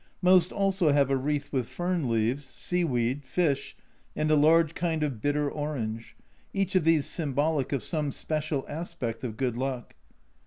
Most also have a wreath with fern leaves, sea weed, fish, and a large kind of bitter orange each of these symbolic of some special aspect of good luck.